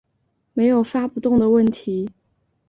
没有发不动的问题